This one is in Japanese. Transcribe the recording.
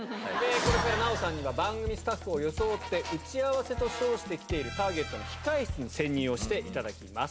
これから奈緒さんには、番組スタッフを装って、打ち合わせと称して来ているターゲットの控え室に潜入をしていただきます。